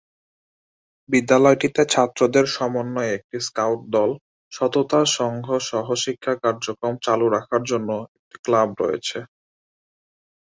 বিদ্যালয়টিতে ছাত্রদের সমন্বয়ে একটি স্কাউট দল, সততা সংঘ সহশিক্ষা কার্যক্রম চালু রাখার জন্য একটি ক্লাব রয়েছে।